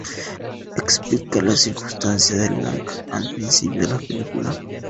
Explica las circunstancias de Lang al principio de la película.